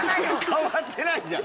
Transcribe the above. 変わってないじゃん。